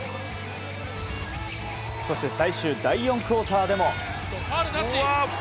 そして最終第４クオーターでも。